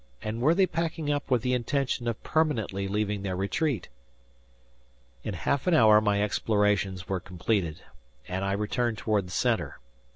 And were they packing up with the intention of permanently leaving their retreat? In half an hour my explorations were completed and I returned toward the center.